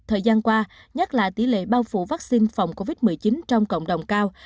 thời gian qua nhắc lại tỷ lệ bao phủ vaccine phòng covid một mươi chín trong cộng đồng cao